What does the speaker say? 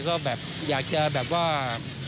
ก็แบบอยากจะแบบว่า